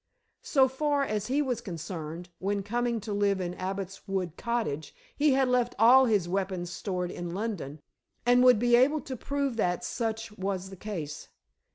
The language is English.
So far as he was concerned, when coming to live in the Abbot's Wood Cottage, he had left all his weapons stored in London, and would be able to prove that such was the case.